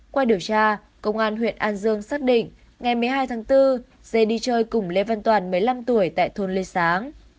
qua điều tra công an huyện an dương xác định ngày một mươi hai tháng bốn dê đi chơi cùng lê văn toàn một mươi năm tuổi tại thôn lê sáng